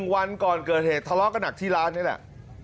วันก่อนเกิดเหตุทะเลาะกันหนักที่ร้านนี่แหละ